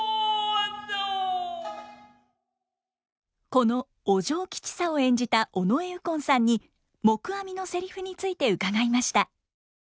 このお嬢吉三を演じた尾上右近さんに黙阿弥のセリフについて伺いました。